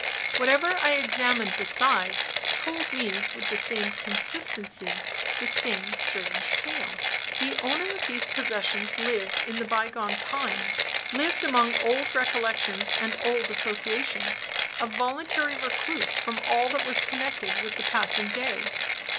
Whatever I examined besides, told me, with the same consistency, the same strange tale. The owner of these possessions lived in the by gone time; lived among old recollections and old associations a voluntary recluse from all that was connected with the passing day.